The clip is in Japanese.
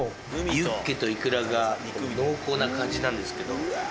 ユッケとイクラが濃厚な感じなんですけど。